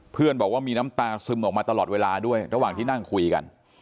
บอกว่ามีน้ำตาซึมออกมาตลอดเวลาด้วยระหว่างที่นั่งคุยกัน